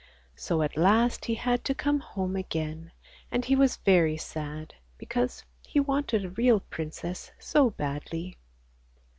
So at last he had to come home again, and he was very sad because he wanted a real princess so badly.